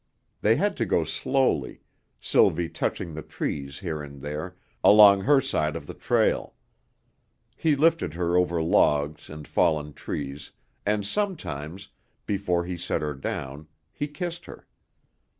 They had to go slowly, Sylvie touching the trees here and there, along her side of the trail. He lifted her over logs and fallen trees, and sometimes, before he set her down, he kissed her.